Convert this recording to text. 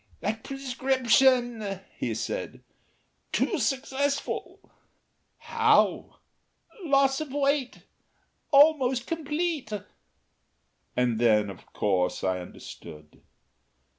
"That prescription," he said. "Too successful." "How?" "Loss of weight almost complete." And then, of course, I understood.